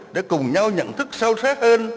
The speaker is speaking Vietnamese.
để cùng nhau nhận thức sâu sát hơn